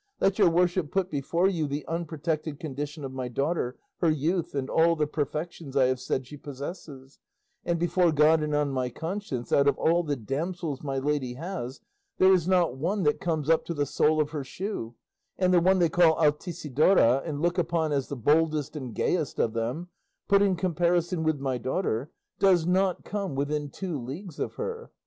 Let your worship put before you the unprotected condition of my daughter, her youth, and all the perfections I have said she possesses; and before God and on my conscience, out of all the damsels my lady has, there is not one that comes up to the sole of her shoe, and the one they call Altisidora, and look upon as the boldest and gayest of them, put in comparison with my daughter, does not come within two leagues of her.